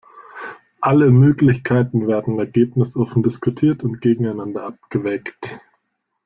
Alle Möglichkeiten werden ergebnisoffen diskutiert und gegeneinander abgewägt.